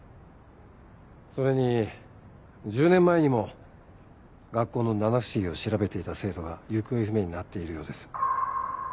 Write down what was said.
それに１０年前にも学校の七不思議を調べていた生徒が行方不明になっているようです。